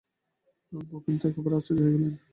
ভূপেন তো একেবারে আশ্চর্য হইয়া গেল।